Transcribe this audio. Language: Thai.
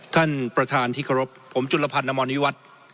ท่านประธานที่เคารพผมจุลพันธ์อมรณิวัฒน์